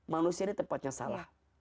manusia ini tempatnya salah